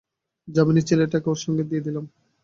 যামিনীর ছেলেটাকেও ওর সঙ্গে দিয়ে দিলাম।